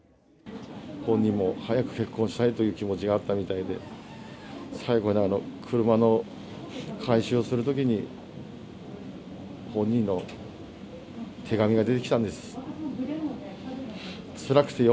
本人も早く結婚したいという気持ちがあったみたいで、最後に車の回収をするときに、本人の手紙が出てきたんです。